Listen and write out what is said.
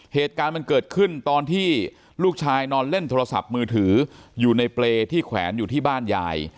เหตุการณ์มันเกิดขึ้นตอนที่ลูกชายนอนเล่นโทรศัพท์มือถืออยู่ในเปรย์ที่แขวนอยู่ที่บ้านยาย